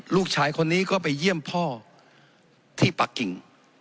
ลูกชายคนนี้ก็ไปเยี่ยมพ่อที่ปะกิ่ง